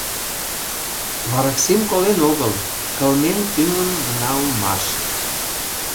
Вараксим колен огыл, кылмен тӱҥын гына улмаш.